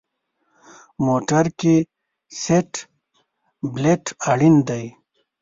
موټر کې سیټ بیلټ اړین دی.